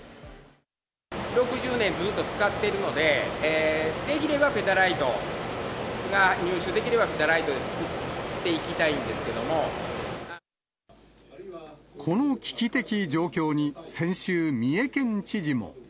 ６０年ずっと使っているので、できればペタライトが、入手できればペタライトで作っていきたいこの危機的状況に、先週、三重県知事も。